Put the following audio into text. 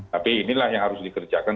tapi inilah yang harus dikerjakan